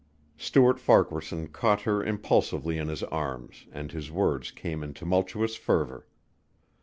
Stuart Farquaharson caught her impulsively in his arms and his words came in tumultuous fervor.